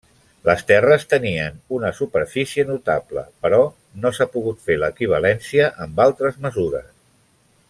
Les terres tenien una superfície notable però no s'ha pogut fer l'equivalència amb altres mesures.